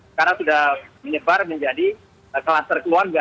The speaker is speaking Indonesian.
sekarang sudah menyebar menjadi kluster keluarga